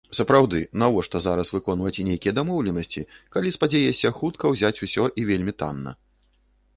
Сапраўды, навошта зараз выконваць нейкія дамоўленасці, калі спадзяешся хутка ўзяць усё і вельмі танна?